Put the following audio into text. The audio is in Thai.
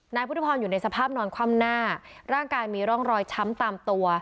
นายพุทธพรอยู่ในสภาพนอนคว่ำหน้าร่างกายมีร่องรอยช้ำตามตัว